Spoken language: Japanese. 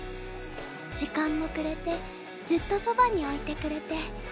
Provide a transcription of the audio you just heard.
時間もくれてずっとそばに置いてくれて。